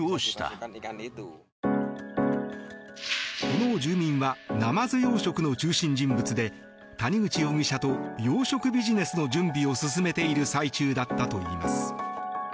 この住民はナマズ養殖の中心人物で谷口容疑者と養殖ビジネスの準備を進めている最中だったといいます。